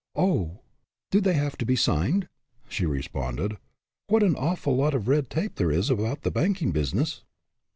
" Oh, do they have to be signed ?" she responded. " What an awful lot of red tape there is about the banking business."